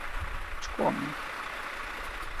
şǩomi!